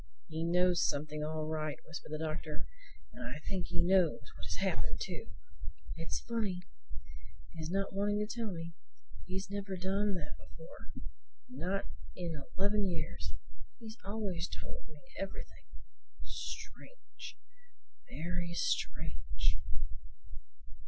"He knows something all right," whispered the Doctor. "And I think he knows what has happened too. It's funny, his not wanting to tell me. He has never done that before—not in eleven years. He has always told me everything—Strange—very strange!"